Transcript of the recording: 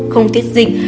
không tiết dịch